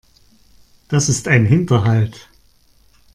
Das ist ein Hinterhalt.